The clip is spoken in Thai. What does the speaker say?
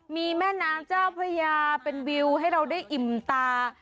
มีแม่น้ำเจ้าพระยาเป็นวิวให้เราได้อิ่มตา